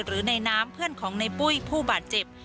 หรือในน้ำเพื่อนของในปุ้ยผู้บาดเจ็บ